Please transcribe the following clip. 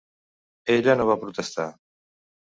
Ella no va protestar.